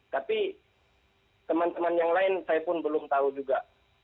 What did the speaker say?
tapi teman teman yang lain saya pun belum tahu juga